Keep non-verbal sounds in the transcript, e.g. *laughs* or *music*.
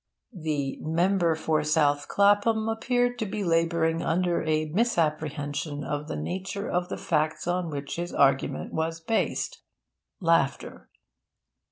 'The member for South Clapham appeared to be labouring under a misapprehension of the nature of the facts on which his argument was based.' *laughs*